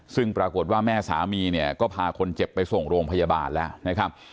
ซึ่งปรากฏว่าแม่สามีเนี่ยก็พาคนเจ็บไปส่งโรงพยาบาลแล้วนะครับ